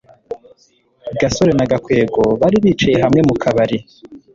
gasore na gakwego bari bicaye hamwe mu kabari